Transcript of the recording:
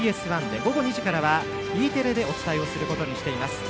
午後２時からはＥテレでお伝えをすることにしています。